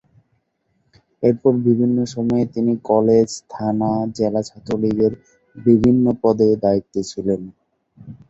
এরপর বিভিন্ন সময়ে তিনি কলেজ/থানা/জেলা ছাত্রলীগের বিভিন্ন পদে দায়িত্বে ছিলেন।